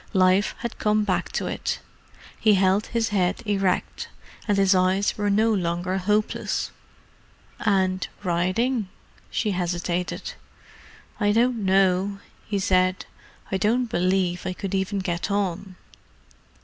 Life had come back to it: he held his head erect, and his eyes were no longer hopeless. "And riding?" she hesitated. "I don't know," he said. "I don't believe I could even get on."